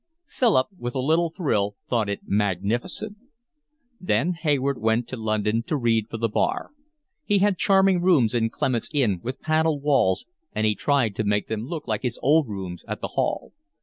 Philip, with a little thrill, thought it magnificent. Then Hayward went to London to read for the Bar. He had charming rooms in Clement's Inn, with panelled walls, and he tried to make them look like his old rooms at the Hall.